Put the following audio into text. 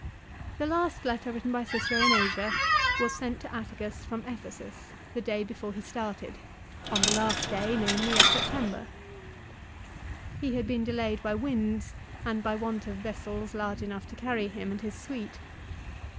The last letter written by Cicero in Asia was sent to Atticus from Ephesus the day before he started, on the CILICIA. 127 last day, namely, of September. He had been delayed by winds and by want of vessels large enough to carry him and his suite.